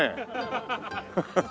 ハハハハ。